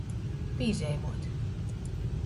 Pīzeimuot.